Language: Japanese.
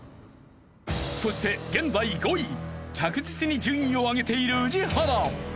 そして現在５位着実に順位を上げている宇治原。